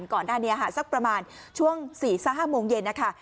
ก่อนหน้านี้ค่ะสักประมาณช่วง๔๕โมงเย็นนะคะ